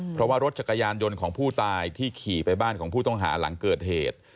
เพราะว่ารถจักรยานยนต์ของผู้ตายที่ขี่ไปบ้านของผู้ต้องหาหลังเกิดเหตุ